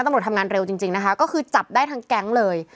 ตำรวจทำงานเร็วจริงจริงนะคะก็คือจับได้ทั้งแก๊งเลย